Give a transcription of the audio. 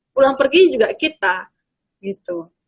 pulang pergi juga kita gitu